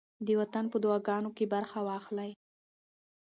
د وطن په دعاګانو کې برخه واخلئ.